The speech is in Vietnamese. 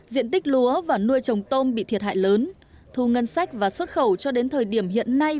diện tích lúa và nuôi trồng tôm bị thiệt hại lớn thu ngân sách và xuất khẩu cho đến thời điểm hiện nay